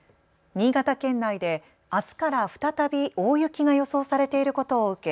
新潟県内であすから再び大雪が予想されていることを受け